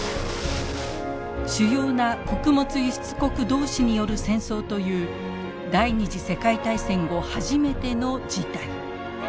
主要な穀物輸出国同士による戦争という第２次世界大戦後初めての事態。